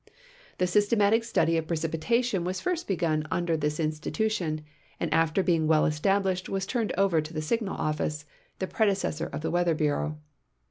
The systematic study of precipitation was first begun under this institution, and after being well established was turned over to the Signal Office, the predecessor of the ^^'eather Bureau.